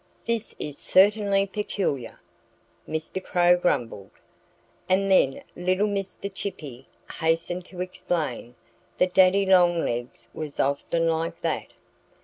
"This is certainly peculiar," Mr. Crow grumbled. And then little Mr. Chippy hastened to explain that Daddy Longlegs was often like that.